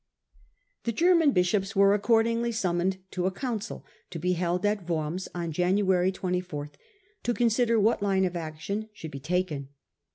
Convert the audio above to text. The German bishops were accordingly summoned to a council, to be held at Worms on January 24, to consider what line of action should be taken.